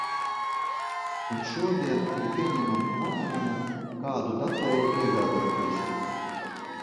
Un šodien arī pieņemam lēmumu, kādu datoru iegādāties.